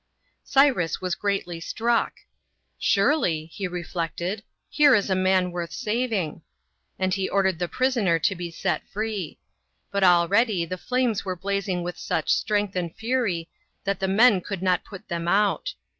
Cyrus was greatly struck. " Sure^," he re flected, " here is a man worth saving." And he ordered the prisoner to be set free. But already, the flames were blazing with such strength and fury, that the men could not put them out.